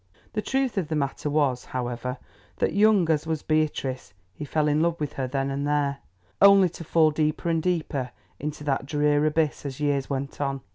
The truth of the matter was, however, that young as was Beatrice, he fell in love with her then and there, only to fall deeper and deeper into that drear abyss as years went on.